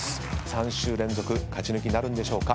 ３週連続勝ち抜きなるんでしょうか？